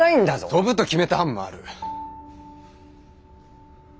飛ぶと決めた班もある。